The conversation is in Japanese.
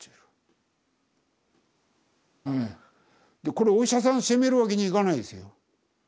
これお医者さん責めるわけにいかないですよ。